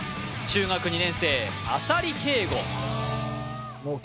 中学２年生浅利圭吾